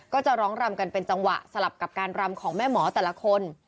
ก็จะร้องรำกันเป็นจังหวะสลับกับการรำของแม่หมอแต่ละคน